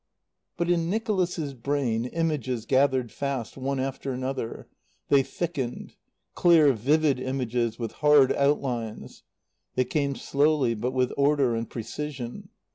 But in Nicholas's brain images gathered fast, one after another; they thickened; clear, vivid images with hard outlines. They came slowly but with order and precision.